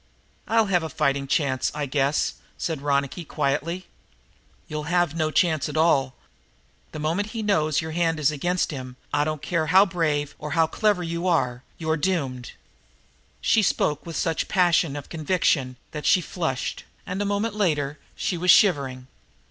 "I'll have a fighting chance, I guess," said Ronicky quietly." "You'll have no chance at all. The moment he knows your hand is against him, I don't care how brave or how clever you are, you're doomed!" She spoke with such a passion of conviction that she flushed, and a moment later she was shivering.